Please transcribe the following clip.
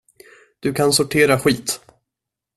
Du kan sortera skit.